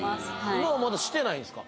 今はまだしてないんすか？